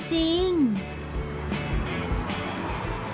แบบมีหรายหน้าจริงนะ